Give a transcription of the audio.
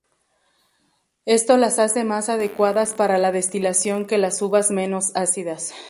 Esto las hace más adecuadas para la destilación que las uvas menos ácidas.